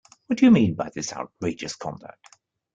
What do you mean by this outrageous conduct.